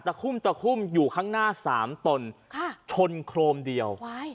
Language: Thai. คุ่มตะคุ่มอยู่ข้างหน้าสามตนค่ะชนโครมเดียวว้าย